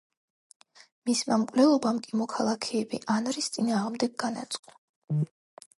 მისმა მკვლელობამ კი მოქალაქეები ანრის წინააღმდეგ განაწყო.